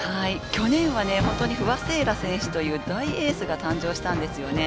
去年は不破聖衣来選手という大エースが誕生したんですよね。